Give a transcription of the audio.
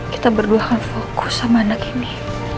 kita berdua kan fokus sama anak ini